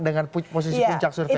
dengan posisi puncak survei